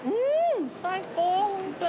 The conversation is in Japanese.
最高ホントに。